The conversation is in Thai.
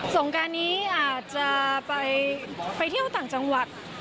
งการนี้อาจจะไปเที่ยวต่างจังหวัด